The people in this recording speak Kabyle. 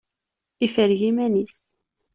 Ifreg iman-is.